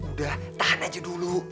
udah tahan aja dulu